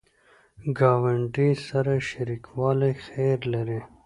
ګاونډي سره شریکوالی خیر لري